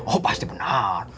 oh pasti benar